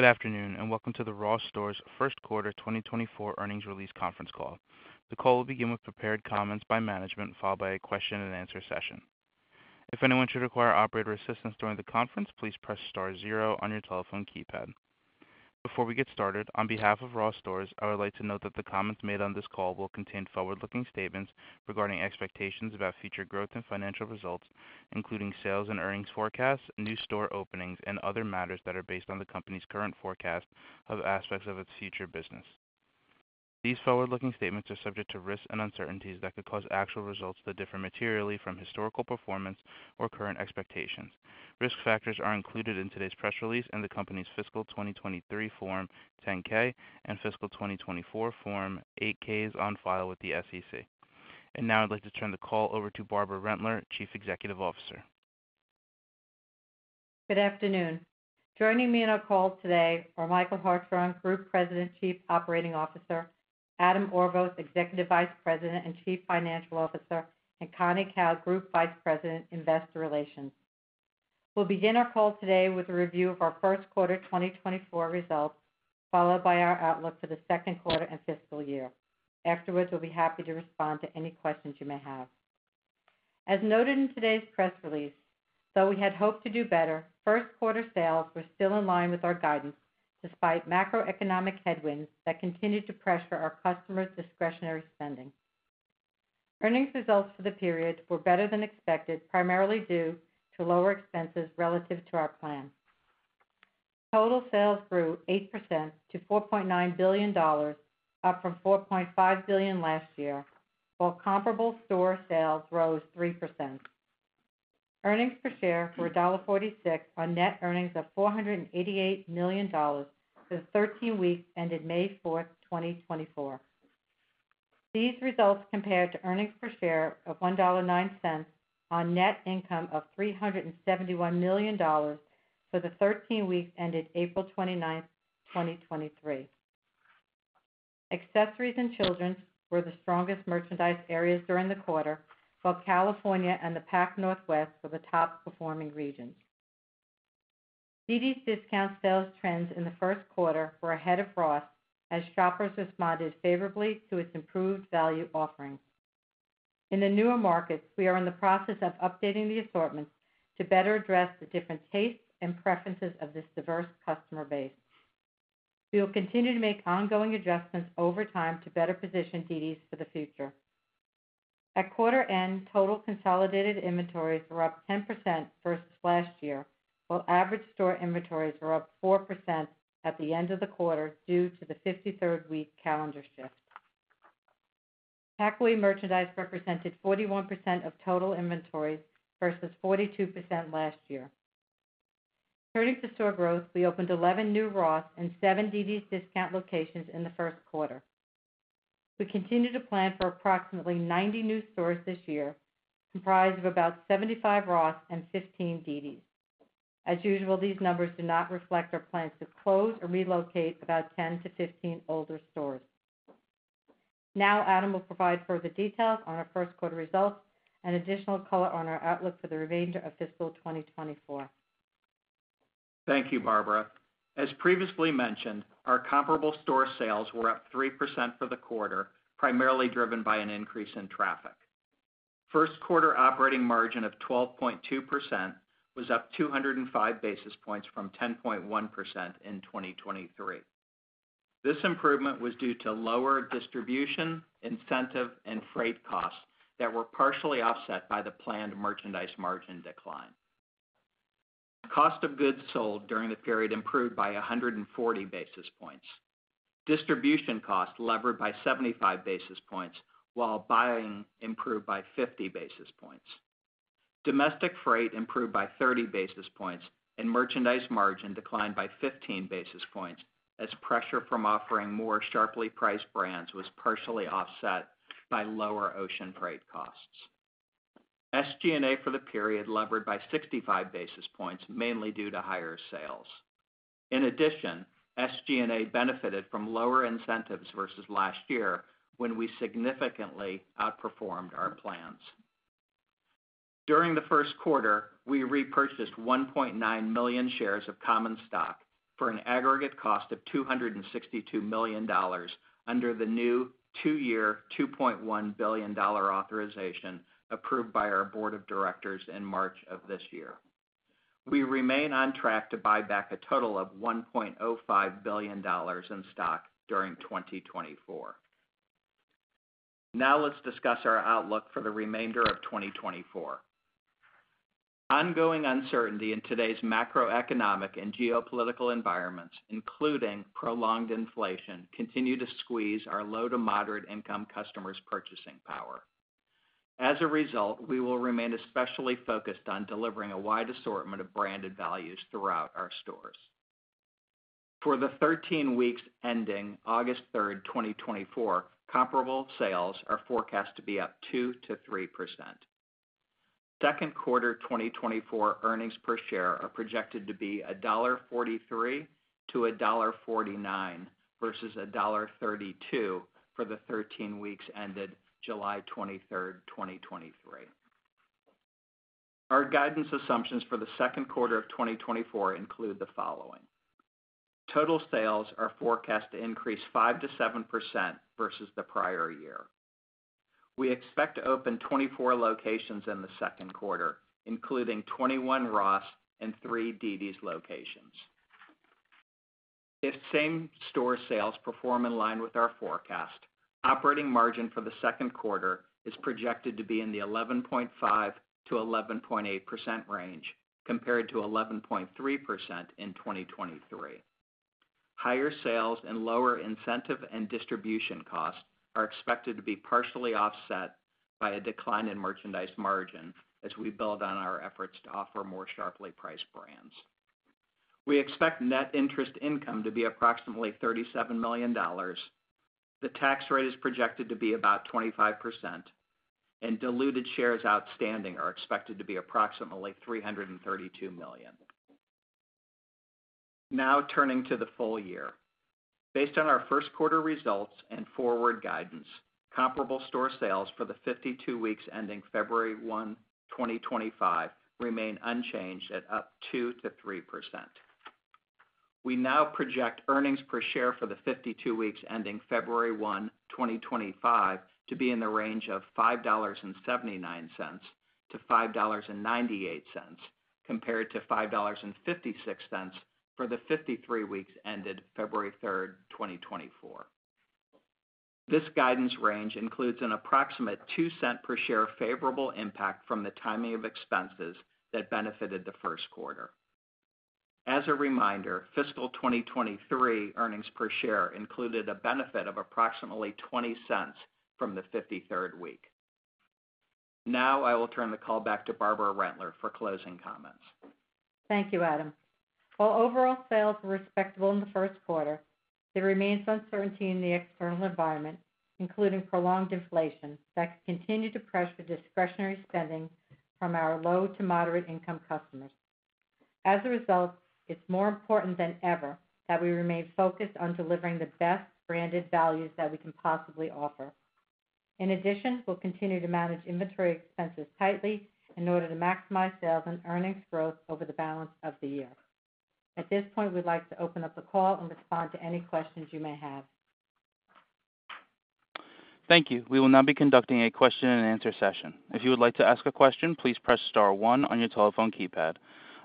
Good afternoon, and welcome to the Ross Stores First Quarter 2024 Earnings Release Conference Call. The call will begin with prepared comments by management, followed by a question-and-answer session. If anyone should require operator assistance during the conference, please press star zero on your telephone keypad. Before we get started, on behalf of Ross Stores, I would like to note that the comments made on this call will contain forward-looking statements regarding expectations about future growth and financial results, including sales and earnings forecasts, new store openings, and other matters that are based on the company's current forecast of aspects of its future business. These forward-looking statements are subject to risks and uncertainties that could cause actual results to differ materially from historical performance or current expectations. Risk factors are included in today's press release and the company's fiscal 2023 Form 10-K and fiscal 2024 Form 8-Ks on file with the SEC. Now I'd like to turn the call over to Barbara Rentler, Chief Executive Officer. Good afternoon. Joining me in our call today are Michael Hartshorn, Group President and Chief Operating Officer, Adam Orvos, Executive Vice President and Chief Financial Officer, and Connie Kao, Group Vice President, Investor Relations. We'll begin our call today with a review of our first quarter 2024 results, followed by our outlook for the second quarter and fiscal year. Afterwards, we'll be happy to respond to any questions you may have. As noted in today's press release, though we had hoped to do better, first quarter sales were still in line with our guidance, despite macroeconomic headwinds that continued to pressure our customers' discretionary spending. Earnings results for the period were better than expected, primarily due to lower expenses relative to our plan. Total sales grew 8% to $4.9 billion, up from $4.5 billion last year, while comparable store sales rose 3%. Earnings per share were $1.46 on net earnings of $488 million for the 13 weeks ended May 4, 2024. These results compared to earnings per share of $1.09 on net income of $371 million for the 13 weeks ended April 29, 2023. Accessories and children's were the strongest merchandise areas during the quarter, while California and the Pac Northwest were the top performing regions. dd's DISCOUNTS sales trends in the first quarter were ahead of Ross as shoppers responded favorably to its improved value offerings. In the newer markets, we are in the process of updating the assortment to better address the different tastes and preferences of this diverse customer base. We will continue to make ongoing adjustments over time to better position dd's for the future. At quarter end, total consolidated inventories were up 10% versus last year, while average store inventories were up 4% at the end of the quarter due to the 53rd week calendar shift. Packaway merchandise represented 41% of total inventories versus 42% last year. Turning to store growth, we opened 11 new Ross and seven dd's DISCOUNTS locations in the first quarter. We continue to plan for approximately 90 new stores this year, comprised of about 75 Ross and 15 dd's. As usual, these numbers do not reflect our plans to close or relocate about 10 to 15 older stores. Now, Adam will provide further details on our first quarter results and additional color on our outlook for the remainder of fiscal 2024. Thank you, Barbara. As previously mentioned, our comparable store sales were up 3% for the quarter, primarily driven by an increase in traffic. First quarter operating margin of 12.2% was up 205 basis points from 10.1% in 2023. This improvement was due to lower distribution, incentive and freight costs that were partially offset by the planned merchandise margin decline. Cost of goods sold during the period improved by 140 basis points. Distribution costs levered by 75 basis points, while buying improved by 50 basis points. Domestic freight improved by 30 basis points, and merchandise margin declined by 15 basis points, as pressure from offering more sharply priced brands was partially offset by lower ocean freight costs. SG&A for the period levered by 65 basis points, mainly due to higher sales. In addition, SG&A benefited from lower incentives versus last year, when we significantly outperformed our plans. During the first quarter, we repurchased 1.9 million shares of common stock for an aggregate cost of $262 million under the new two-year, $2.1 billion authorization approved by our board of directors in March of this year. We remain on track to buy back a total of $1.05 billion in stock during 2024. Now, let's discuss our outlook for the remainder of 2024. Ongoing uncertainty in today's macroeconomic and geopolitical environments, including prolonged inflation, continue to squeeze our low to moderate income customers' purchasing power. As a result, we will remain especially focused on delivering a wide assortment of branded values throughout our stores. For the thirteen weeks ending August 3, 2024, comparable sales are forecast to be up 2%-3%. Second quarter 2024 earnings per share are projected to be $1.43-$1.49 versus $1.32 for the thirteen weeks ended July 23, 2023. Our guidance assumptions for the second quarter of 2024 include the following. Total sales are forecast to increase 5%-7% versus the prior year. We expect to open 24 locations in the second quarter, including 21 Ross and three dd's locations. If same-store sales perform in line with our forecast, operating margin for the second quarter is projected to be in the 11.5%-11.8% range, compared to 11.3% in 2023. Higher sales and lower incentive and distribution costs are expected to be partially offset by a decline in merchandise margin as we build on our efforts to offer more sharply priced brands. We expect net interest income to be approximately $37 million. The tax rate is projected to be about 25%, and diluted shares outstanding are expected to be approximately 332 million. Now, turning to the full year. Based on our first quarter results and forward guidance, comparable store sales for the 52 weeks ending February 1, 2025, remain unchanged at up 2%-3%. We now project earnings per share for the 52 weeks ending February 1, 2025, to be in the range of $5.79-$5.98, compared to $5.56 for the 53 weeks ended February 3, 2024. This guidance range includes an approximate $0.02 per share favorable impact from the timing of expenses that benefited the first quarter. As a reminder, fiscal 2023 earnings per share included a benefit of approximately $0.20 from the 53rd week. Now, I will turn the call back to Barbara Rentler for closing comments. Thank you, Adam. While overall sales were respectable in the first quarter, there remains uncertainty in the external environment, including prolonged inflation, that could continue to pressure discretionary spending from our low to moderate income customers. As a result, it's more important than ever that we remain focused on delivering the best branded values that we can possibly offer. In addition, we'll continue to manage inventory expenses tightly in order to maximize sales and earnings growth over the balance of the year. At this point, we'd like to open up the call and respond to any questions you may have. Thank you. We will now be conducting a question and answer session. If you would like to ask a question, please press star one on your telephone keypad.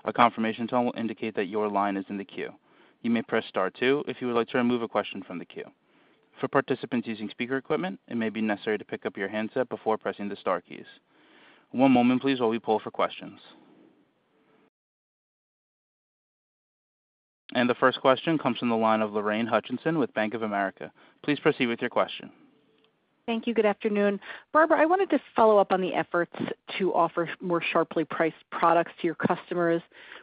A confirmation tone will indicate that your line is in the queue. You may press star two if you would like to remove a question from the queue. For participants using speaker equipment, it may be necessary to pick up your handset before pressing the star keys. One moment, please, while we pull for questions. And the first question comes from the line of Lorraine Hutchinson with Bank of America. Please proceed with your question. Thank you. Good afternoon. Barbara, I wanted to follow up on the efforts to offer more sharply priced products to your customers.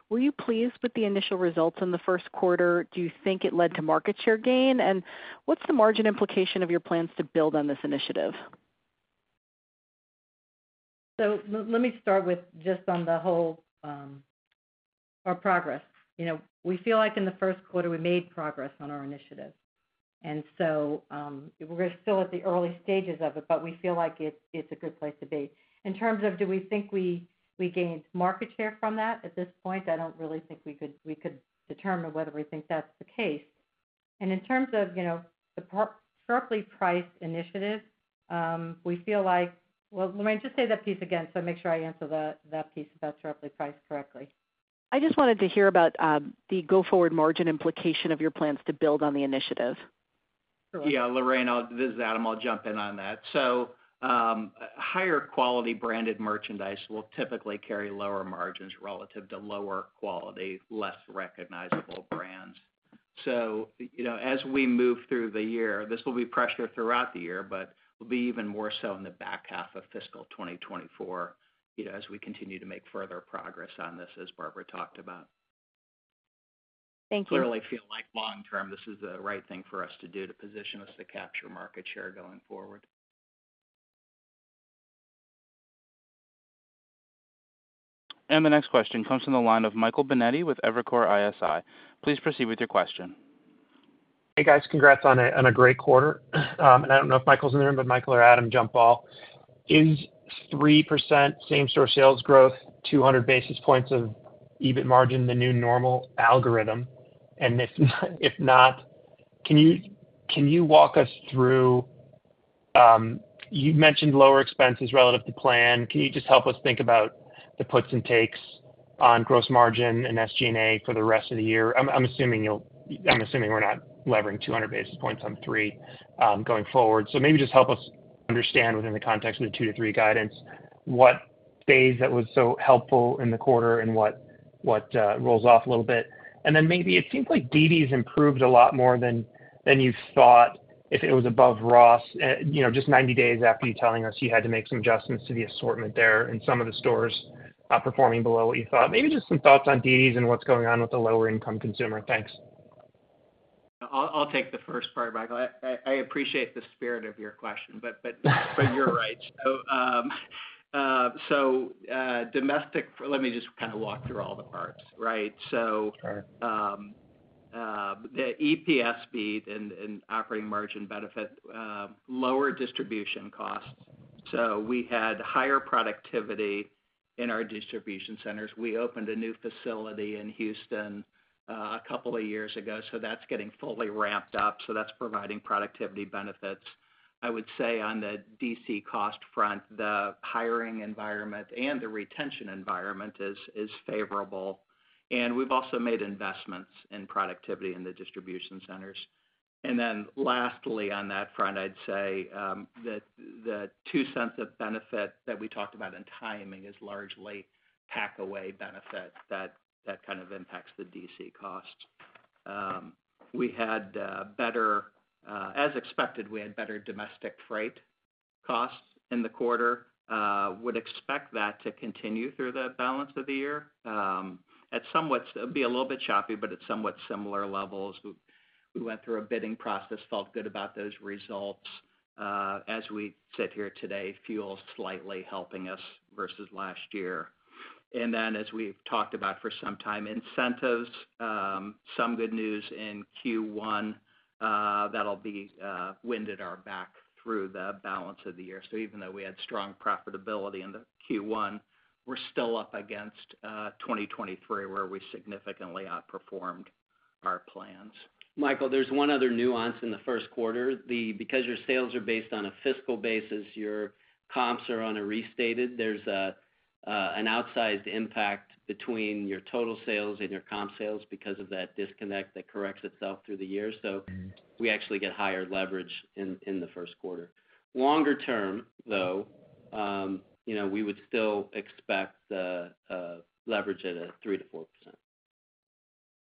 Were you pleased with the initial results in the first quarter? Do you think it led to market share gain? What's the margin implication of your plans to build on this initiative? So let me start with just on the whole, our progress. You know, we feel like in the first quarter, we made progress on our initiative, and so, we're still at the early stages of it, but we feel like it's, it's a good place to be. In terms of do we think we, we gained market share from that? At this point, I don't really think we could, we could determine whether we think that's the case. And in terms of, you know, the sharply priced initiative, we feel like. Well, Lorraine, just say that piece again, so make sure I answer that, that piece about sharply priced correctly. I just wanted to hear about the go-forward margin implication of your plans to build on the initiative. Yeah, Lorraine, this is Adam. I'll jump in on that. So, higher quality branded merchandise will typically carry lower margins relative to lower quality, less recognizable brands. So, you know, as we move through the year, this will be pressure throughout the year, but will be even more so in the back half of fiscal 2024, you know, as we continue to make further progress on this, as Barbara talked about. Thank you. Clearly feel like long term, this is the right thing for us to do to position us to capture market share going forward. The next question comes from the line of Michael Binetti with Evercore ISI. Please proceed with your question. Hey, guys. Congrats on a great quarter. And I don't know if Michael's in the room, but Michael or Adam, jump in. Is 3% same-store sales growth, 200 basis points of EBIT margin, the new normal algorithm? And if not, can you walk us through? You've mentioned lower expenses relative to plan. Can you just help us think about the puts and takes on gross margin and SG&A for the rest of the year? I'm assuming we're not levering 200 basis points on 3%, going forward. So maybe just help us understand within the context of the 2%-3% guidance, what factors that was so helpful in the quarter and what rolls off a little bit? Then maybe it seems like dd's improved a lot more than you thought, if it was above Ross, you know, just 90 days after you telling us you had to make some adjustments to the assortment there in some of the stores performing below what you thought. Maybe just some thoughts on dd's and what's going on with the lower-income consumer? Thanks. I'll take the first part, Michael. I appreciate the spirit of your question, but you're right. So, domestic— let me just kind of walk through all the parts, right? So. Sure. The EPS speed and, and operating margin benefit, lower distribution costs. So we had higher productivity in our distribution centers. We opened a new facility in Houston, a couple of years ago, so that's getting fully ramped up, so that's providing productivity benefits. I would say on the DC cost front, the hiring environment and the retention environment is, is favorable, and we've also made investments in productivity in the distribution centers. And then lastly, on that front, I'd say, that the $0.02 of benefit that we talked about in timing is largely packaway benefits that, that kind of impacts the DC costs. We had, as expected, we had better domestic freight costs in the quarter. Would expect that to continue through the balance of the year. At somewhat—it'd be a little bit choppy, but at somewhat similar levels. We, we went through a bidding process, felt good about those results. As we sit here today, fuel's slightly helping us versus last year. And then, as we've talked about for some time, incentives, some good news in Q1, that'll be, wind at our back through the balance of the year. So even though we had strong profitability in the Q1, we're still up against, 2023, where we significantly outperformed our plans. Michael, there's one other nuance in the first quarter. The, because your sales are based on a fiscal basis, your comps are on a restated. There's an outsized impact between your total sales and your comp sales because of that disconnect that corrects itself through the year. Mm-hmm. So we actually get higher leverage in the first quarter. Longer term, though, you know, we would still expect the leverage at a 3%-4%.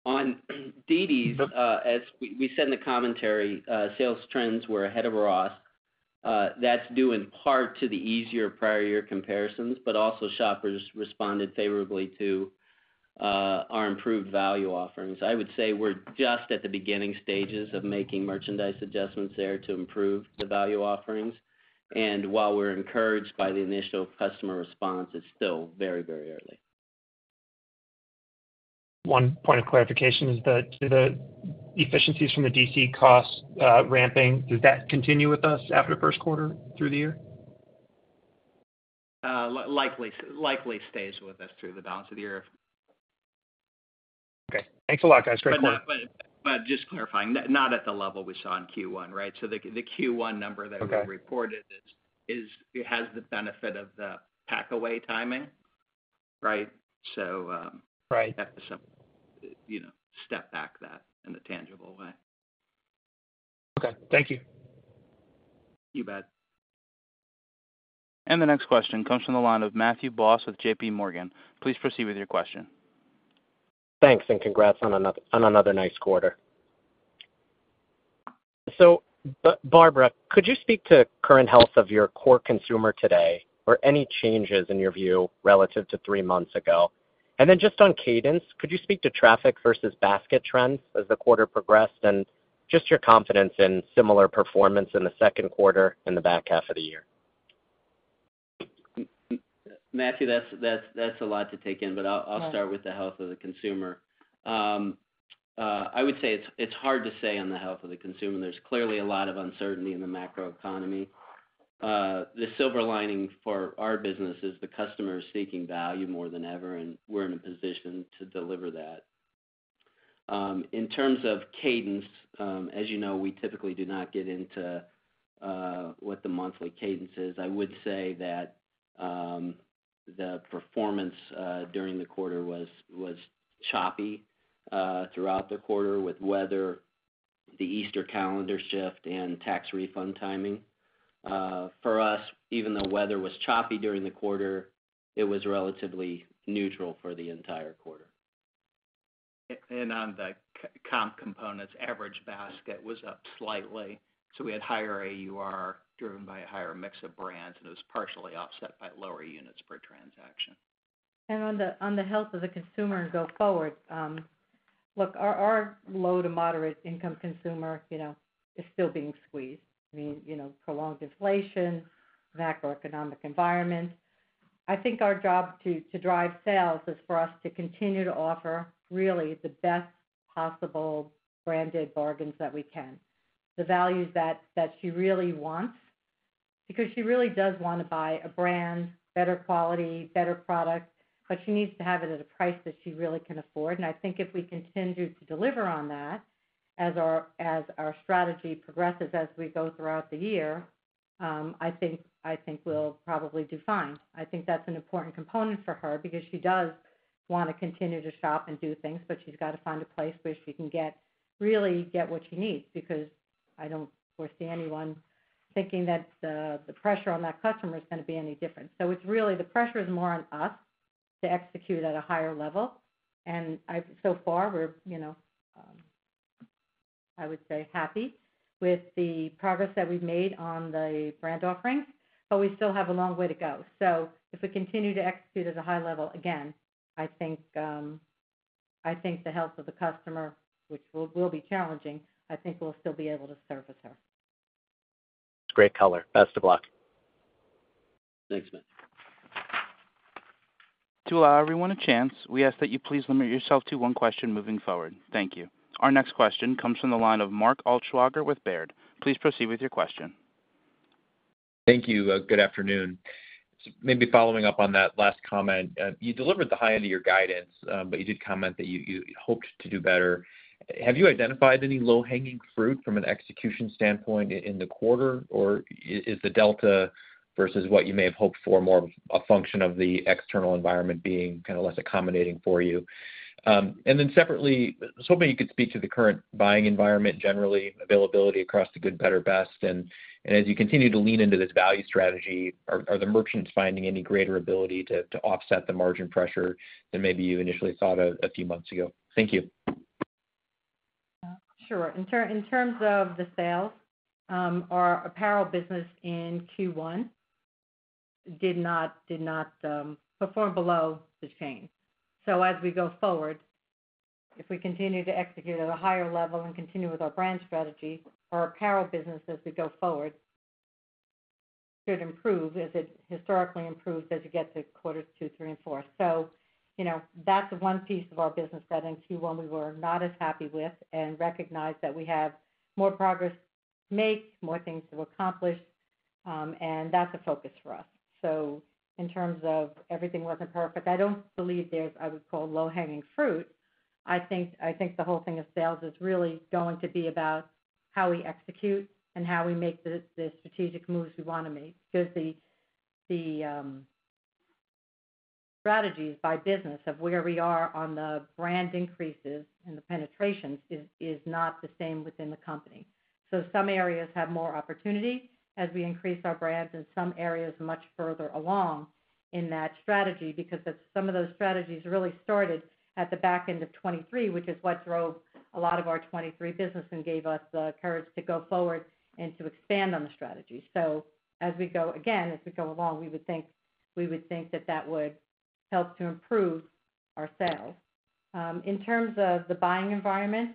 On dd's, as we said in the commentary, sales trends were ahead of Ross. That's due in part to the easier prior year comparisons, but also shoppers responded favorably to our improved value offerings. I would say we're just at the beginning stages of making merchandise adjustments there to improve the value offerings. And while we're encouraged by the initial customer response, it's still very, very early. One point of clarification is that the efficiencies from the DC costs, ramping, does that continue with us after the first quarter through the year? Likely stays with us through the balance of the year. Okay. Thanks a lot, guys. Great quarter. But just clarifying, not at the level we saw in Q1, right? So the Q1 number. Okay. That we reported is, it has the benefit of the packaway timing, right? So. Right. You have to you know, step back that in a tangible way. Okay. Thank you. You bet. The next question comes from the line of Matthew Boss with JPMorgan. Please proceed with your question. Thanks, and congrats on another nice quarter. So, Barbara, could you speak to current health of your core consumer today, or any changes in your view relative to three months ago? And then just on cadence, could you speak to traffic versus basket trends as the quarter progressed, and just your confidence in similar performance in the second quarter and the back half of the year? Matthew, that's a lot to take in, but I'll start with the health of the consumer. I would say it's hard to say on the health of the consumer. There's clearly a lot of uncertainty in the macroeconomy. The silver lining for our business is the customer is seeking value more than ever, and we're in a position to deliver that. In terms of cadence, as you know, we typically do not get into what the monthly cadence is. I would say that the performance during the quarter was choppy throughout the quarter with weather, the Easter calendar shift and tax refund timing. For us, even though weather was choppy during the quarter, it was relatively neutral for the entire quarter. And on the comps components, average basket was up slightly, so we had higher AUR, driven by a higher mix of brands, and it was partially offset by lower units per transaction. On the health of the consumer and go forward, look, our low to moderate income consumer, you know, is still being squeezed. I mean, you know, prolonged inflation, macroeconomic environment. I think our job to drive sales is for us to continue to offer really the best possible branded bargains that we can, the values that she really wants, because she really does want to buy a brand, better quality, better product, but she needs to have it at a price that she really can afford. And I think if we continue to deliver on that, as our strategy progresses, as we go throughout the year, I think we'll probably do fine. I think that's an important component for her because she does want to continue to shop and do things, but she's got to find a place where she can get, really get what she needs, because I don't foresee anyone thinking that the pressure on that customer is going to be any different. So it's really the pressure is more on us to execute at a higher level, and I've so far, we're, you know, I would say, happy with the progress that we've made on the brand offerings, but we still have a long way to go. So if we continue to execute at a high level, again, I think, I think the health of the customer, which will be challenging, I think we'll still be able to service her. Great color. Best of luck. Thanks, Matt. To allow everyone a chance, we ask that you please limit yourself to one question moving forward. Thank you. Our next question comes from the line of Mark Altschwager with Baird. Please proceed with your question. Thank you. Good afternoon. Maybe following up on that last comment. You delivered the high end of your guidance, but you did comment that you hoped to do better. Have you identified any low-hanging fruit from an execution standpoint in the quarter, or is the delta versus what you may have hoped for, more a function of the external environment being kinda less accommodating for you? And then separately, was hoping you could speak to the current buying environment, generally, availability across the good, better, best. And as you continue to lean into this value strategy, are the merchants finding any greater ability to offset the margin pressure than maybe you initially thought of a few months ago? Thank you. Sure. In terms of the sales, our apparel business in Q1 did not perform below the chain. So as we go forward, if we continue to execute at a higher level and continue with our brand strategy, our apparel business, as we go forward, should improve, as it historically improves as you get to quarters two, three, and four. So, you know, that's the one piece of our business that in Q1, we were not as happy with, and recognize that we have more progress to make, more things to accomplish, and that's a focus for us. So in terms of everything working perfect, I don't believe there's, I would call low-hanging fruit. I think the whole thing of sales is really going to be about how we execute and how we make the strategic moves we wanna make. Because the strategies by business of where we are on the brand increases and the penetrations is not the same within the company. So some areas have more opportunity as we increase our brands, and some areas are much further along in that strategy. Because some of those strategies really started at the back end of 2023, which is what drove a lot of our 2023 business and gave us the courage to go forward and to expand on the strategy. So as we go again, as we go along, we would think, we would think that that would help to improve our sales. In terms of the buying environment,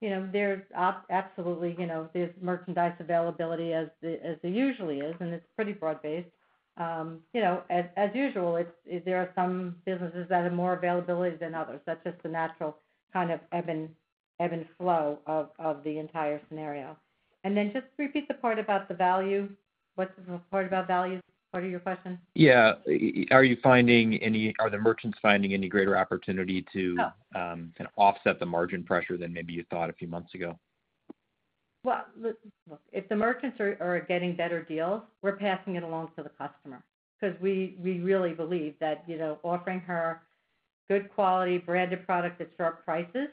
you know, there's absolutely, you know, there's merchandise availability as there usually is, and it's pretty broad-based. You know, as usual, it's, there are some businesses that have more availability than others. That's just the natural kind of ebb and flow of the entire scenario. And then just repeat the part about the value. What's the part about value? Part of your question. Yeah. Are the merchants finding any greater opportunity to kinda offset the margin pressure than maybe you thought a few months ago? Well, look, if the merchants are, are getting better deals, we're passing it along to the customer. 'Cause we, we really believe that, you know, offering her good quality, branded product at sharp prices,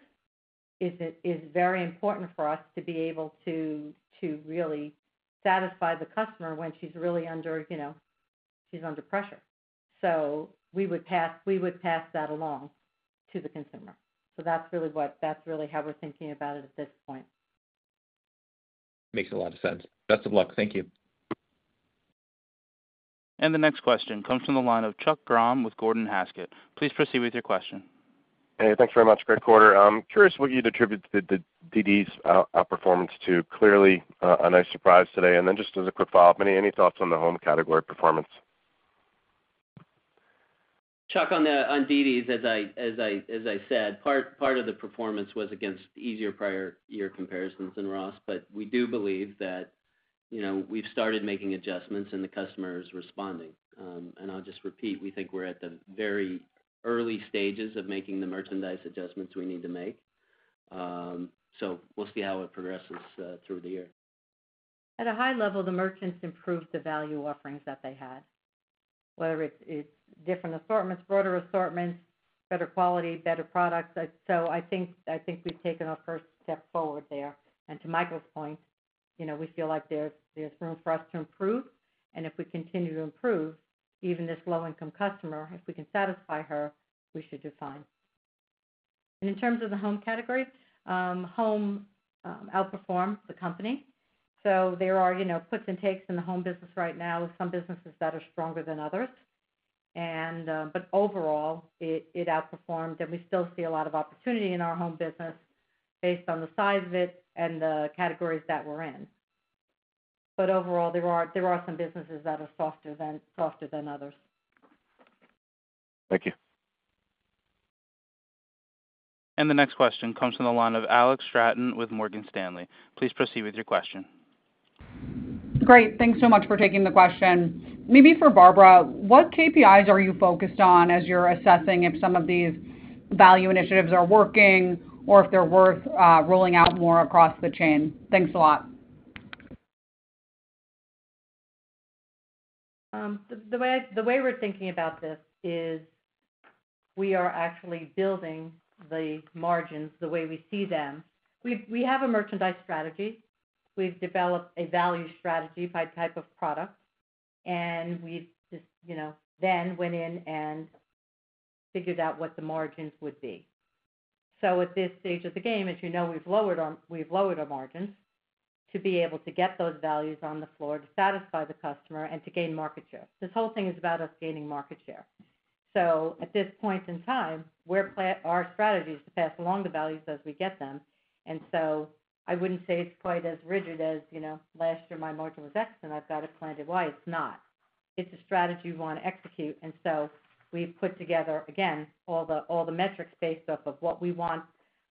is, is very important for us to be able to, to really satisfy the customer when she's really under, you know, she's under pressure. So we would pass, we would pass that along to the consumer. So that's really what-- that's really how we're thinking about it at this point. Makes a lot of sense. Best of luck. Thank you. The next question comes from the line of Chuck Grom with Gordon Haskett. Please proceed with your question. Hey, thanks very much. Great quarter. I'm curious what you'd attribute the dd's outperformance to. Clearly, a nice surprise today. And then just as a quick follow-up, any thoughts on the home category performance? Chuck, on dd's, as I said, part of the performance was against easier prior year comparisons than Ross. But we do believe that, you know, we've started making adjustments and the customer is responding. I'll just repeat: we think we're at the very early stages of making the merchandise adjustments we need to make. We'll see how it progresses through the year. At a high level, the merchants improved the value offerings that they had, whether it's different assortments, broader assortments, better quality, better products. So I think we've taken our first step forward there. And to Michael's point, you know, we feel like there's room for us to improve, and if we continue to improve, even this low-income customer, if we can satisfy her, we should do fine. And in terms of the home category, home outperformed the company. So there are, you know, puts and takes in the home business right now, with some businesses that are stronger than others. But overall, it outperformed, and we still see a lot of opportunity in our home business based on the size of it and the categories that we're in. But overall, there are some businesses that are softer than others. Thank you. The next question comes from the line of Alex Straton with Morgan Stanley. Please proceed with your question. Great. Thanks so much for taking the question. Maybe for Barbara, what KPIs are you focused on as you're assessing if some of these value initiatives are working or if they're worth rolling out more across the chain? Thanks a lot. The way we're thinking about this is we are actually building the margins the way we see them. We have a merchandise strategy. We've developed a value strategy by type of product, and we've just, you know, then went in and figured out what the margins would be. So at this stage of the game, as you know, we've lowered our margins to be able to get those values on the floor to satisfy the customer and to gain market share. This whole thing is about us gaining market share. So at this point in time, our strategy is to pass along the values as we get them, and so I wouldn't say it's quite as rigid as, you know, last year my margin was X, and I've got it planned to Y. It's not. It's a strategy we wanna execute, and so we've put together, again, all the, all the metrics based off of what we want,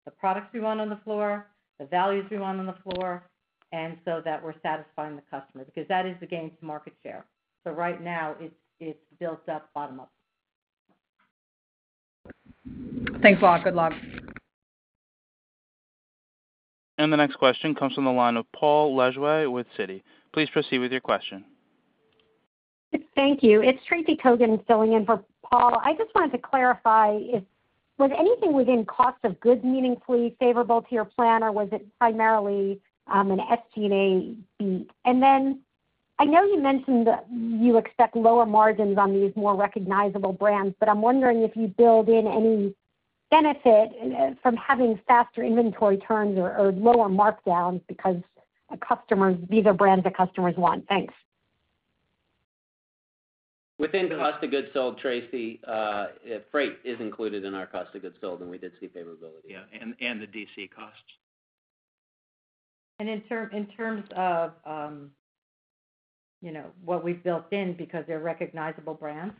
the products we want on the floor, the values we want on the floor, and so that we're satisfying the customer, because that is the gain to market share. So right now, it's, it's built up bottom up. Thanks, Barbara. Good luck. The next question comes from the line of Paul Lejuez with Citi. Please proceed with your question. Thank you. It's Tracy Kogan filling in for Paul. I just wanted to clarify if was anything within cost of goods meaningfully favorable to your plan, or was it primarily an SG&A beat? And then I know you mentioned that you expect lower margins on these more recognizable brands, but I'm wondering if you build in any benefit from having faster inventory turns or lower markdowns because the customers—these are brands that customers want. Thanks. Within Cost of Goods Sold, Tracy, freight is included in our Cost of Goods Sold, and we did see favorability. Yeah, and the DC costs. In terms of, you know, what we've built in because they're recognizable brands,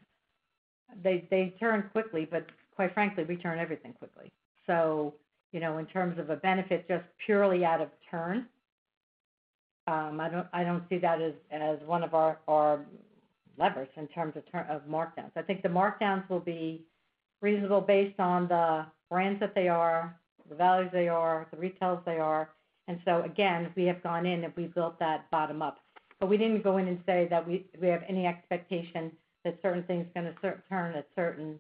they turn quickly, but quite frankly, we turn everything quickly. So, you know, in terms of a benefit, just purely out of turn, I don't see that as one of our levers in terms of turn of markdowns. I think the markdowns will be reasonable based on the brands that they are, the values they are, the retails they are. And so again, we have gone in, and we built that bottom up. But we didn't go in and say that we have any expectation that certain things are gonna turn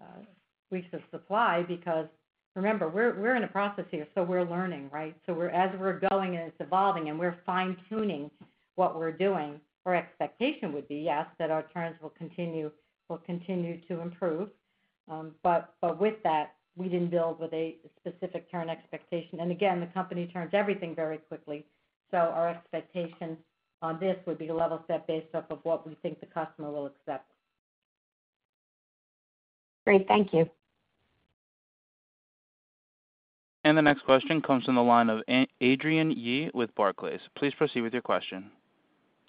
at certain weeks of supply, because remember, we're in a process here, so we're learning, right? So as we're going and it's evolving, and we're fine-tuning what we're doing, our expectation would be, yes, that our trends will continue, will continue to improve. But with that, we didn't build with a specific turn expectation. And again, the company turns everything very quickly, so our expectation on this would be to level set based off of what we think the customer will accept. Great. Thank you. The next question comes from the line of Adrienne Yih with Barclays. Please proceed with your question.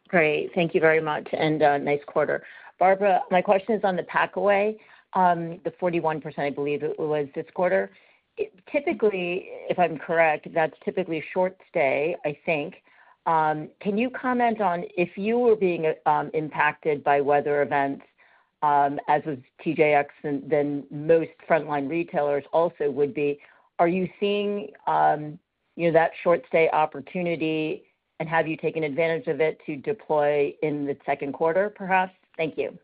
Great. Thank you very much, and nice quarter. Barbara, my question is on the packaway, the 41%, I believe, it was this quarter. Typically, if I'm correct, that's typically a short stay, I think. Can you comment on if you were being impacted by weather events, as was TJX and more than most off-price retailers also would be, are you seeing, you know, that short stay opportunity, and have you taken advantage of it to deploy in the second quarter, perhaps? Thank you.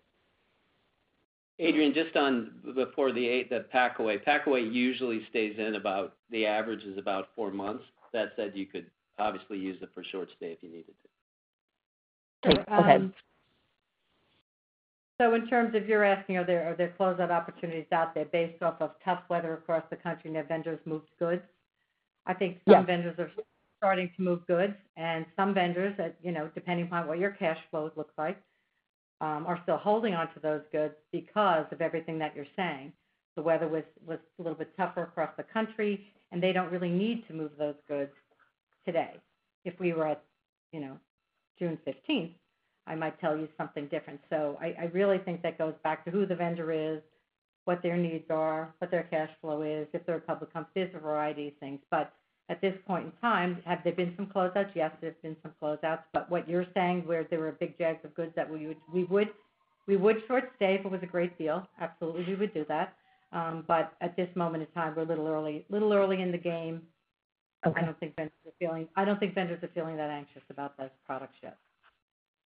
Adrienne, just on the 48, the packaway. Packaway usually stays in about, the average is about four months. That said, you could obviously use it for short stay if you needed to. Great. Go ahead. So in terms of you're asking, are there closeout opportunities out there based off of tough weather across the country, and their vendors moved goods? Yes. I think some vendors are starting to move goods, and some vendors that, you know, depending upon what your cash flow looks like, are still holding onto those goods because of everything that you're saying. The weather was a little bit tougher across the country, and they don't really need to move those goods today. If we were at, you know, June 15th, I might tell you something different. So I really think that goes back to who the vendor is, what their needs are, what their cash flow is, if they're a public company. There's a variety of things, but at this point in time, have there been some closeouts? Yes, there's been some closeouts, but what you're saying, where there were big jags of goods that we would short stay if it was a great deal, absolutely, we would do that. But at this moment in time, we're a little early, little early in the game. Okay. I don't think vendors are feeling that anxious about those products yet.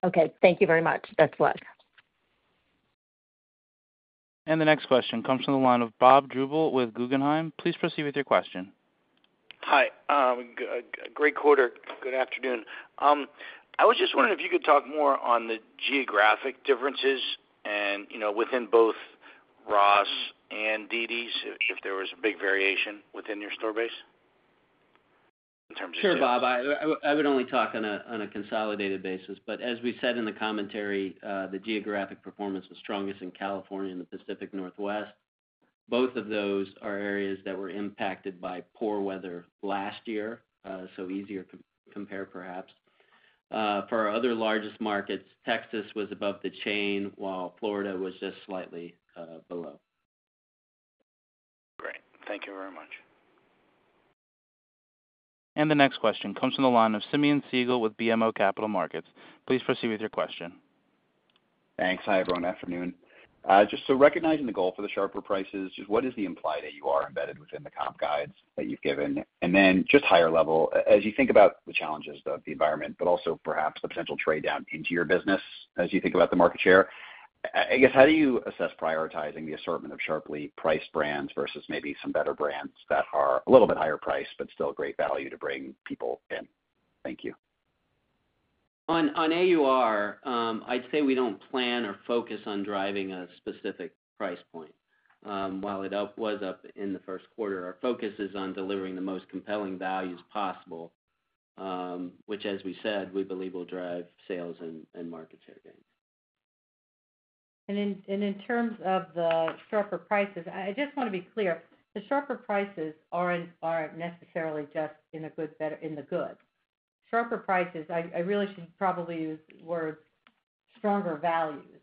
Okay, thank you very much. That's all. The next question comes from the line of Bob Drbul with Guggenheim. Please proceed with your question. Hi, great quarter. Good afternoon. I was just wondering if you could talk more on the geographic differences and, you know, within both Ross and dd's, if, if there was a big variation within your store base in terms of. Sure, Bob. I would only talk on a consolidated basis. But as we said in the commentary, the geographic performance was strongest in California and the Pacific Northwest. Both of those are areas that were impacted by poor weather last year, so easier to compare, perhaps. For our other largest markets, Texas was above the chain, while Florida was just slightly below. Great. Thank you very much. The next question comes from the line of Simeon Siegel with BMO Capital Markets. Please proceed with your question. Thanks. Hi, everyone. Afternoon. Just so recognizing the goal for the sharper prices, just what is the implied AUR embedded within the comp guides that you've given? And then just higher level, as you think about the challenges of the environment, but also perhaps the potential trade-down into your business as you think about the market share, I guess, how do you assess prioritizing the assortment of sharply priced brands versus maybe some better brands that are a little bit higher priced, but still great value to bring people in? Thank you. On AUR, I'd say we don't plan or focus on driving a specific price point. While it was up in the first quarter, our focus is on delivering the most compelling values possible, which, as we said, we believe will drive sales and market share gains. And in terms of the sharper prices, I just wanna be clear. The sharper prices aren't necessarily just in the goods that are in the goods. Sharper prices, I really should probably use the word stronger values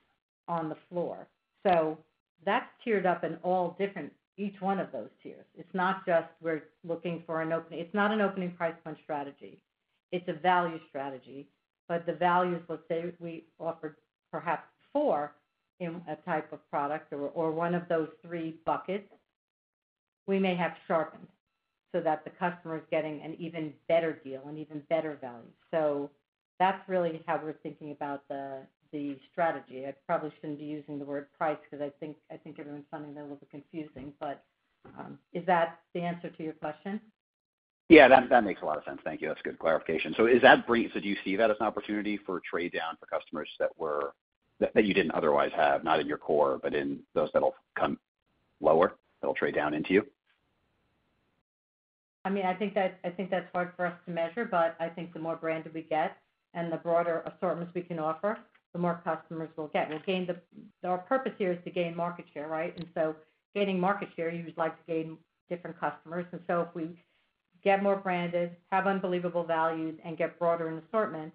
on the floor. So that's tiered up in all different, each one of those tiers. It's not just we're looking for an opening. It's not an opening price point strategy. It's a value strategy. But the values, let's say, we offer perhaps four in a type of product or one of those three buckets, we may have sharpened so that the customer is getting an even better deal, an even better value. So that's really how we're thinking about the strategy. I probably shouldn't be using the word price, 'cause I think, I think everyone's finding that a little bit confusing, but, is that the answer to your question? Yeah, that makes a lot of sense. Thank you. That's a good clarification. So do you see that as an opportunity for trade down for customers that you didn't otherwise have, not in your core, but in those that'll come lower, that'll trade down into you? I mean, I think that, I think that's hard for us to measure, but I think the more branded we get and the broader assortments we can offer, the more customers we'll get. We'll gain the. Our purpose here is to gain market share, right? And so gaining market share, you would like to gain different customers. And so if we get more branded, have unbelievable values, and get broader in assortment,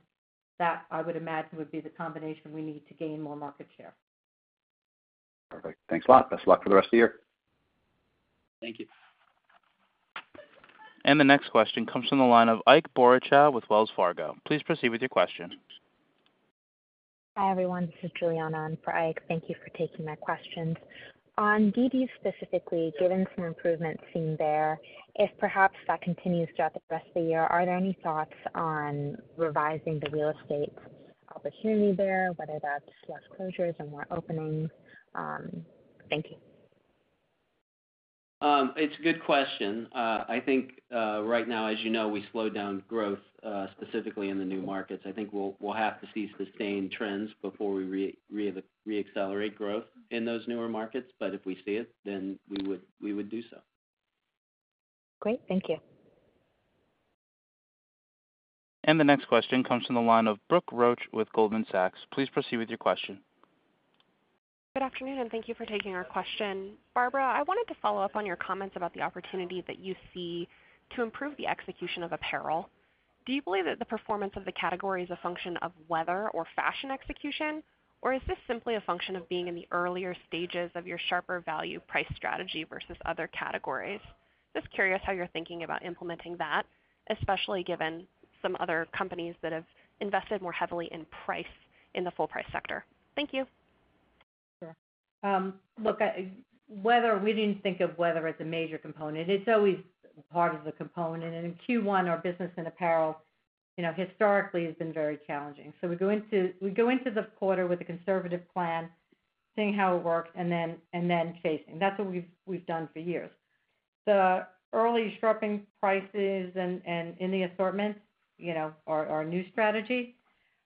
that, I would imagine, would be the combination we need to gain more market share. Perfect. Thanks a lot. Best of luck for the rest of the year. Thank you. The next question comes from the line of Ike Boruchow with Wells Fargo. Please proceed with your question. Hi, everyone, this is Juliana in for Ike. Thank you for taking my questions. On dd's specifically, given some improvement seen there, if perhaps that continues throughout the rest of the year, are there any thoughts on revising the real estate opportunity there, whether that's less closures and more openings? Thank you. It's a good question. I think, right now, as you know, we slowed down growth, specifically in the new markets. I think we'll have to see sustained trends before we reaccelerate growth in those newer markets. But if we see it, then we would do so. Great. Thank you. The next question comes from the line of Brooke Roach with Goldman Sachs. Please proceed with your question. Good afternoon, and thank you for taking our question. Barbara, I wanted to follow up on your comments about the opportunity that you see to improve the execution of apparel. Do you believe that the performance of the category is a function of weather or fashion execution, or is this simply a function of being in the earlier stages of your sharper value price strategy versus other categories? Just curious how you're thinking about implementing that, especially given some other companies that have invested more heavily in price in the full price sector. Thank you. Look, weather we didn't think of weather as a major component. It's always part of the component. And in Q1, our business in apparel, you know, historically has been very challenging. So we go into the quarter with a conservative plan, seeing how it works and then chasing. That's what we've done for years. The early sharpening prices and in the assortment, you know, our new strategy,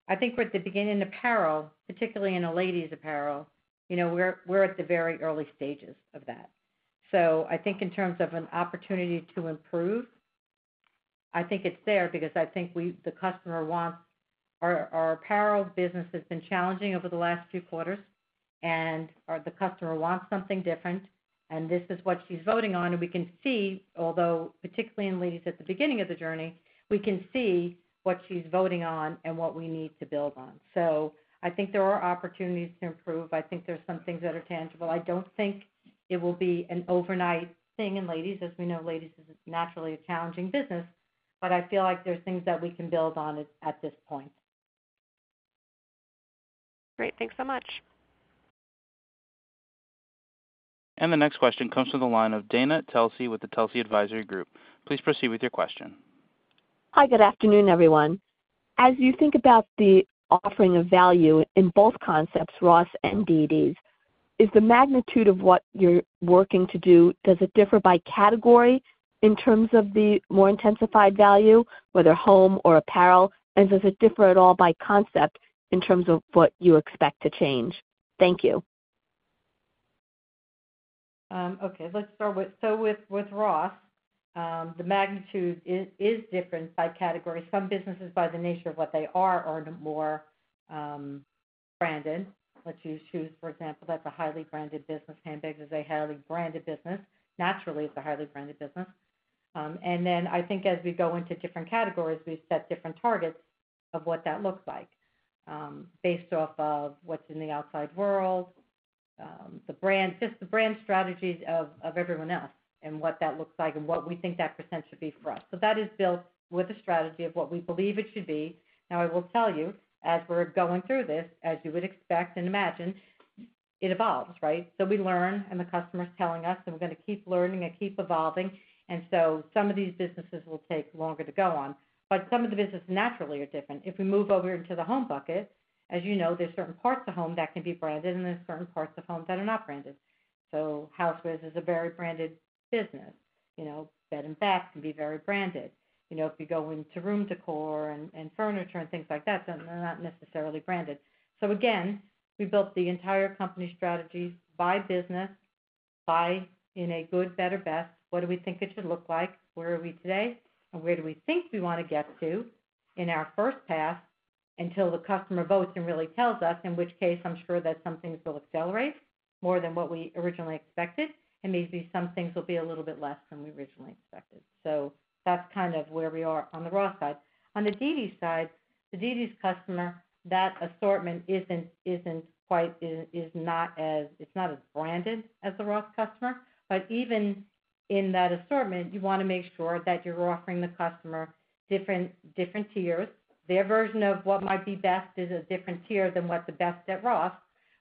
I think we're at the beginning in apparel, particularly in the ladies' apparel, you know, we're at the very early stages of that. So I think in terms of an opportunity to improve, I think it's there because I think we—the customer wants. Our apparel business has been challenging over the last few quarters, and the customer wants something different, and this is what she's voting on, and we can see, although particularly in ladies, at the beginning of the journey, we can see what she's voting on and what we need to build on. So I think there are opportunities to improve. I think there's some things that are tangible. I don't think it will be an overnight thing in ladies. As we know, ladies is naturally a challenging business, but I feel like there's things that we can build on it at this point. Great. Thanks so much. The next question comes from the line of Dana Telsey with the Telsey Advisory Group. Please proceed with your question. Hi, good afternoon, everyone. As you think about the offering of value in both concepts, Ross and dd's, is the magnitude of what you're working to do, does it differ by category in terms of the more intensified value, whether home or apparel? And does it differ at all by concept in terms of what you expect to change? Thank you. Okay, let's start with so with Ross, the magnitude is different by category. Some businesses, by the nature of what they are, are more branded. Let's use shoes, for example, that's a highly branded business. Handbags is a highly branded business. Naturally, it's a highly branded business. And then I think as we go into different categories, we set different targets of what that looks like, based off of what's in the outside world, the brand, just the brand strategies of everyone else and what that looks like and what we think that percent should be for us. So that is built with the strategy of what we believe it should be. Now, I will tell you, as we're going through this, as you would expect and imagine, it evolves, right? So we learn, and the customer's telling us, and we're gonna keep learning and keep evolving. And so some of these businesses will take longer to go on, but some of the businesses naturally are different. If we move over into the home bucket, as you know, there's certain parts of home that can be branded, and there's certain parts of home that are not branded. So housewares is a very branded business. You know, bed & bath can be very branded. You know, if you go into room decor and furniture and things like that, then they're not necessarily branded. So again, we built the entire company strategy by business, by in a good, better, best—what do we think it should look like? Where are we today, and where do we think we wanna get to in our first pass until the customer votes and really tells us, in which case, I'm sure that some things will accelerate more than what we originally expected, and maybe some things will be a little bit less than we originally expected. So that's kind of where we are on the Ross side. On the dd's side, the dd's customer, that assortment isn't quite as branded as the Ross customer. But even in that assortment, you wanna make sure that you're offering the customer different tiers. Their version of what might be best is a different tier than what's the best at Ross.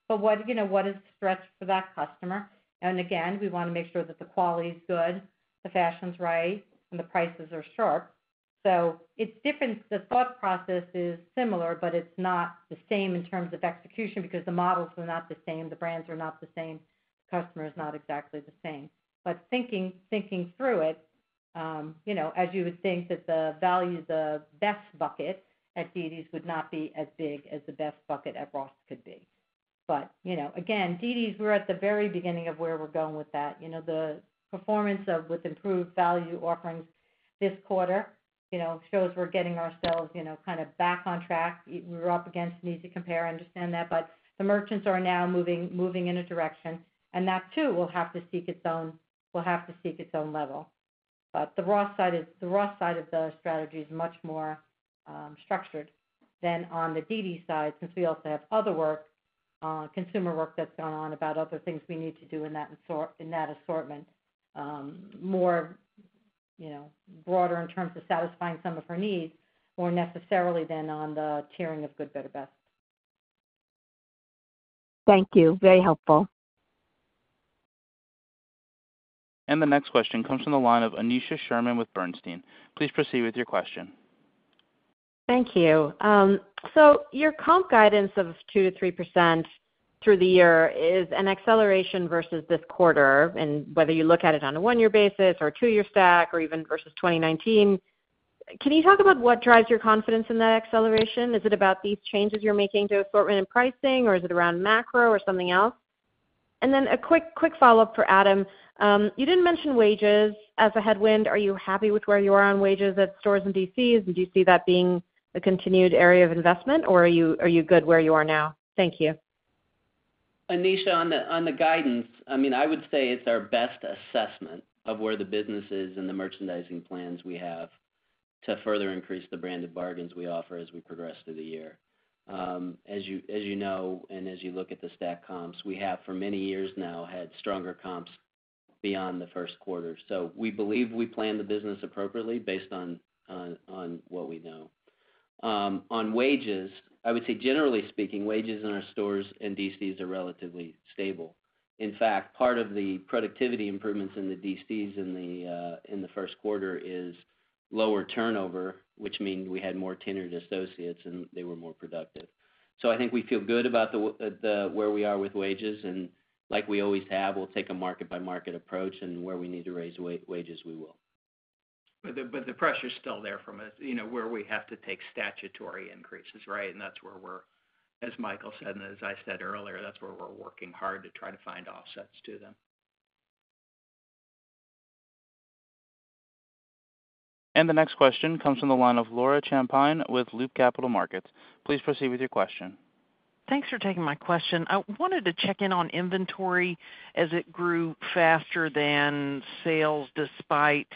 But what, you know, what is the stretch for that customer? And again, we wanna make sure that the quality is good, the fashion's right, and the prices are sharp. So it's different. The thought process is similar, but it's not the same in terms of execution because the models are not the same, the brands are not the same, the customer is not exactly the same. But thinking through it, you know, as you would think that the value, the best bucket at dd's would not be as big as the best bucket at Ross could be. But, you know, again, dd's, we're at the very beginning of where we're going with that. You know, the performance with improved value offerings this quarter, you know, shows we're getting ourselves, you know, kind of back on track. We were up against an easy compare, I understand that, but the merchants are now moving, moving in a direction, and that, too, will have to seek its own level. But the Ross side of the strategy is much more structured than on the dd's side, since we also have other work, consumer work that's gone on about other things we need to do in that assortment, more, you know, broader in terms of satisfying some of her needs, more necessarily than on the tiering of good, better, best. Thank you. Very helpful. The next question comes from the line of Aneesha Sherman with Bernstein. Please proceed with your question. Thank you. So your comp guidance of 2%-3% through the year is an acceleration versus this quarter, and whether you look at it on a one-year basis or a two-year stack or even versus 2019, can you talk about what drives your confidence in that acceleration? Is it about these changes you're making to assortment and pricing, or is it around macro or something else? And then a quick, quick follow-up for Adam. You didn't mention wages as a headwind. Are you happy with where you are on wages at stores and DCs, and do you see that being a continued area of investment, or are you, are you good where you are now? Thank you. Aneesha, on the guidance, I mean, I would say it's our best assessment of where the business is and the merchandising plans we have to further increase the brand of bargains we offer as we progress through the year. As you know, and as you look at the stack comps, we have, for many years now, had stronger comps beyond the first quarter. So we believe we plan the business appropriately based on what we know. On wages, I would say, generally speaking, wages in our stores and DCs are relatively stable. In fact, part of the productivity improvements in the DCs in the first quarter is lower turnover, which means we had more tenured associates, and they were more productive. So I think we feel good about where we are with wages, and like we always have, we'll take a market-by-market approach, and where we need to raise wages, we will. But the pressure's still there from, you know, where we have to take statutory increases, right? And that's where we're. As Michael said, and as I said earlier, that's where we're working hard to try to find offsets to them. The next question comes from the line of Laura Champine with Loop Capital Markets. Please proceed with your question. Thanks for taking my question. I wanted to check in on inventory as it grew faster than sales, despite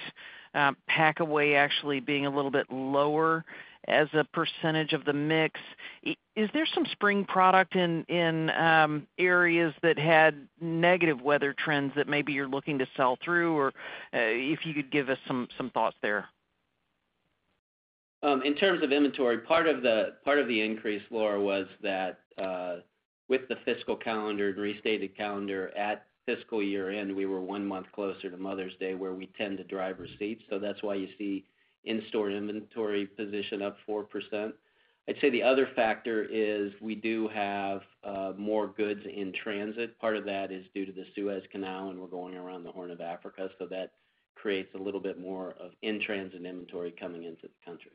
packaway actually being a little bit lower as a percentage of the mix. Is there some spring product in areas that had negative weather trends that maybe you're looking to sell through? Or, if you could give us some thoughts there. In terms of inventory, part of the increase, Laura, was that with the fiscal calendar and restated calendar, at fiscal year-end, we were one month closer to Mother's Day, where we tend to drive receipts. So that's why you see in-store inventory position up 4%. I'd say the other factor is we do have more goods in transit. Part of that is due to the Suez Canal, and we're going around the Horn of Africa, so that creates a little bit more of in-transit inventory coming into the country.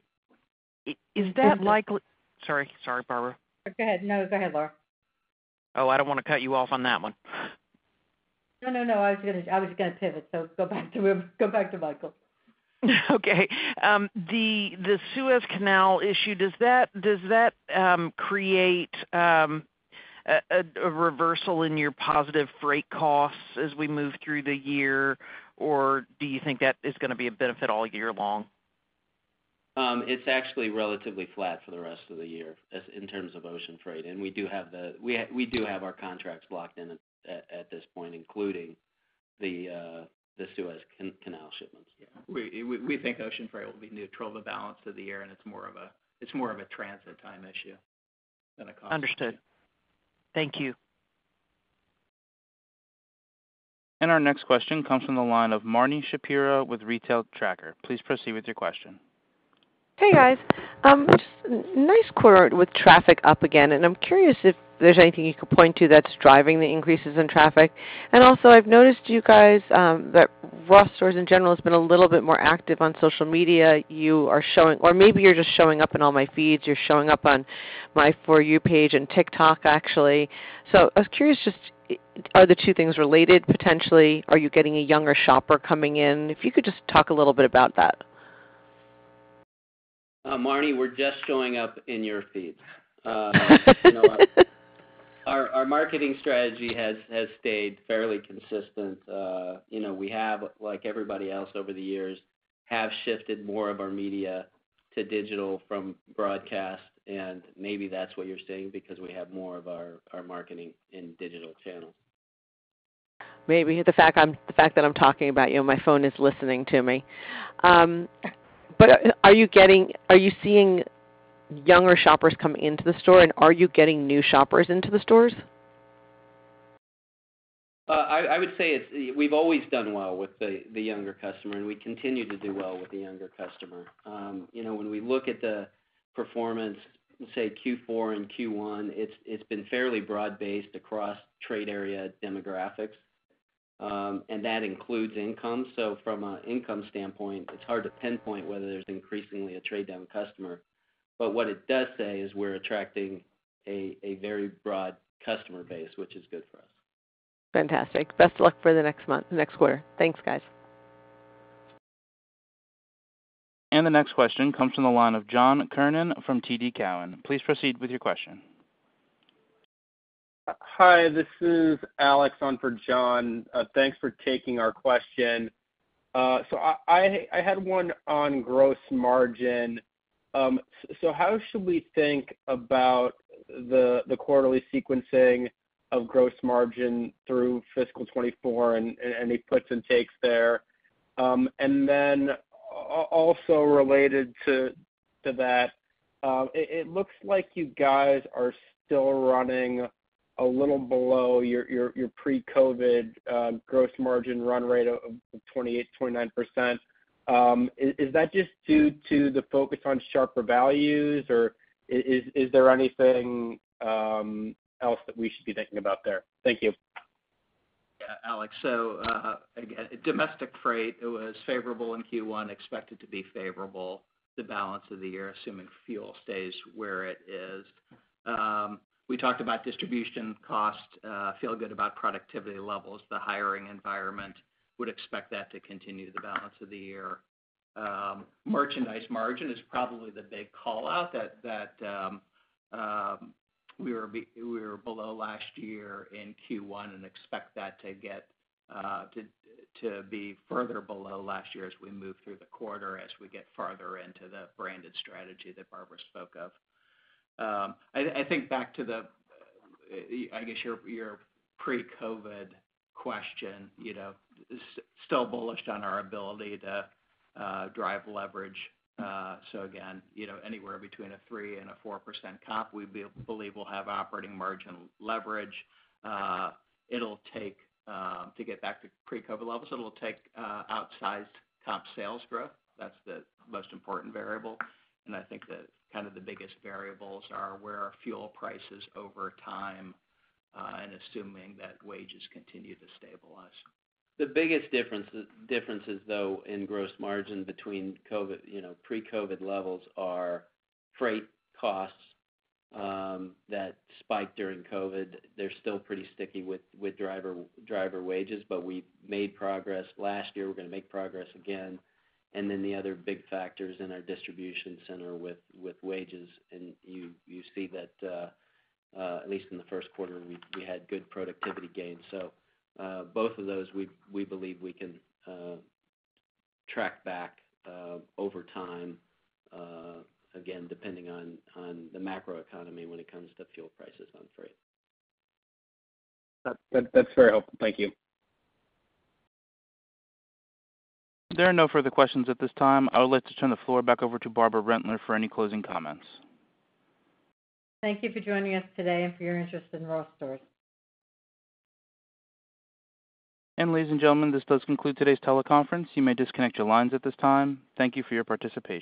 Is that likely? Sorry. Sorry, Barbara. Go ahead. No, go ahead, Laura. Oh, I don't wanna cut you off on that one. No, no, no, I was gonna, I was gonna pivot, so go back to him. Go back to Michael. Okay, the Suez Canal issue, does that create a reversal in your positive freight costs as we move through the year, or do you think that is gonna be a benefit all year long? It's actually relatively flat for the rest of the year, in terms of ocean freight, and we do have our contracts locked in at this point, including the Suez Canal shipments. We think ocean freight will be neutral the balance of the year, and it's more of a transit time issue than a cost. Understood. Thank you. Our next question comes from the line of Marni Shapiro with Retail Tracker. Please proceed with your question. Hey, guys. Nice quarter with traffic up again, and I'm curious if there's anything you could point to that's driving the increases in traffic. And also, I've noticed you guys, Ross Stores, in general, has been a little bit more active on social media. You are showing - or maybe you're just showing up in all my feeds. You're showing up on my For You Page and TikTok, actually. So I was curious, just, are the two things related potentially? Are you getting a younger shopper coming in? If you could just talk a little bit about that. Marni, we're just showing up in your feeds. You know, our marketing strategy has stayed fairly consistent. You know, we have, like everybody else over the years, have shifted more of our media to digital from broadcast, and maybe that's what you're seeing, because we have more of our marketing in digital channels. Maybe the fact that I'm talking about you, and my phone is listening to me. But are you seeing younger shoppers come into the store, and are you getting new shoppers into the stores? I would say it's, we've always done well with the younger customer, and we continue to do well with the younger customer. You know, when we look at the performance, say, Q4 and Q1, it's been fairly broad-based across trade area demographics, and that includes income. So from an income standpoint, it's hard to pinpoint whether there's increasingly a trade-down customer. But what it does say is we're attracting a very broad customer base, which is good for us. Fantastic. Best of luck for the next month, next quarter. Thanks, guys. The next question comes from the line of John Kernan from TD Cowen. Please proceed with your question. Hi, this is Alex on for John. Thanks for taking our question. So I had one on gross margin. So how should we think about the quarterly sequencing of gross margin through fiscal 2024, and any puts and takes there? And then also related to that, it looks like you guys are still running a little below your pre-COVID gross margin run rate of 28%-29%. Is that just due to the focus on sharper values, or is there anything else that we should be thinking about there? Thank you. Yeah, Alex, so, again, domestic freight, it was favorable in Q1, expected to be favorable the balance of the year, assuming fuel stays where it is. We talked about distribution cost, feel good about productivity levels, the hiring environment, would expect that to continue the balance of the year. Merchandise margin is probably the big call-out that we were below last year in Q1 and expect that to get to be further below last year as we move through the quarter, as we get farther into the branded strategy that Barbara spoke of. I think back to the, I guess, your pre-COVID question, you know, still bullish on our ability to drive leverage. So again, you know, anywhere between 3% and 4% comp, we believe we'll have operating margin leverage. It'll take to get back to pre-COVID levels, it'll take outsized comp sales growth. That's the most important variable, and I think the kind of the biggest variables are where are fuel prices over time, and assuming that wages continue to stabilize. The biggest differences, though, in gross margin between COVID, you know, pre-COVID levels, are freight costs that spiked during COVID. They're still pretty sticky with driver wages, but we made progress last year. We're gonna make progress again. Then the other big factor is in our distribution center with wages, and you see that at least in the first quarter, we had good productivity gains. So, both of those, we believe we can track back over time, again, depending on the macroeconomy when it comes to fuel prices on freight. That, that's very helpful. Thank you. There are no further questions at this time. I would like to turn the floor back over to Barbara Rentler for any closing comments. Thank you for joining us today and for your interest in Ross Stores. Ladies and gentlemen, this does conclude today's teleconference. You may disconnect your lines at this time. Thank you for your participation.